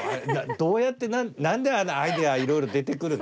どうやって何であんなアイデアいろいろ出てくるの？